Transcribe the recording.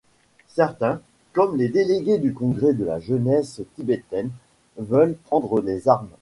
Certains, comme les délégués du Congrès de la jeunesse tibétaine, veulent prendre les armes.